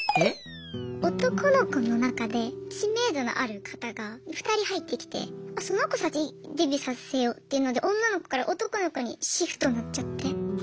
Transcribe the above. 男の子の中で知名度のある方が２人入ってきてその子先にデビューさせようっていうので女の子から男の子にシフトになっちゃって。